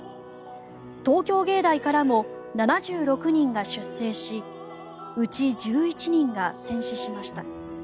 東京芸大からも７６人が出征しうち１１人が戦死しました。